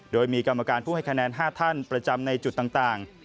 โดยมีกรรมการผู้ให้คะแนน๕ท่านประจำในจุดต่าง